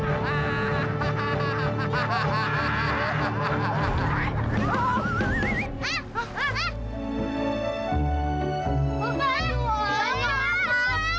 bima jangan tangkap penyuh itu